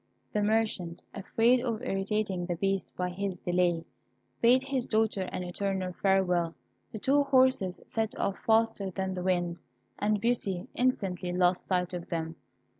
The merchant, afraid of irritating the Beast by his delay, bade his daughter an eternal farewell. The two horses set off faster than the wind, and Beauty instantly lost sight of them.